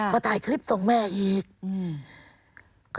ก็ถ่ายคลิปส่งแม่อีก